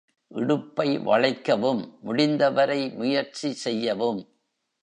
இடுப்பை வளைக்கவும் முடிந்தவரை முயற்சி செய்யவும்.